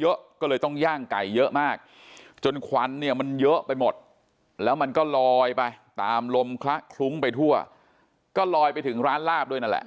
เยอะก็เลยต้องย่างไก่เยอะมากจนควันเนี่ยมันเยอะไปหมดแล้วมันก็ลอยไปตามลมคละคลุ้งไปทั่วก็ลอยไปถึงร้านลาบด้วยนั่นแหละ